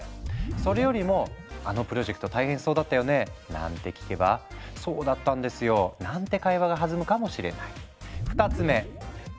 それよりも「あのプロジェクト大変そうだったよね？」なんて聞けば「そうだったんですよ」なんて会話が弾むかもしれない。